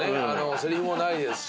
せりふもないですし。